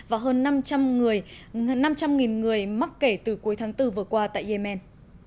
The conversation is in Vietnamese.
và hơn năm trăm linh người mắc kể từ cuối tháng bốn vừa qua tại yemen